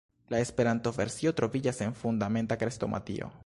La Esperanto-versio troviĝas en Fundamenta Krestomatio.